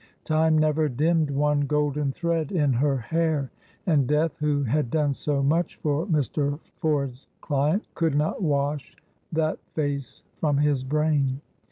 Time never dimmed one golden thread in her hair; and Death, who had done so much for Mr. Ford's client, could not wash that face from his brain.